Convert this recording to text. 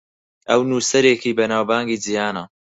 ئەو نووسەرێکی بەناوبانگی جیهانە.